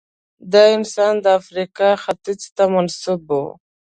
دا انسان د افریقا ختیځ ته منسوب و.